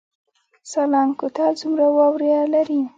سالنګ کوتل څومره واوره لري؟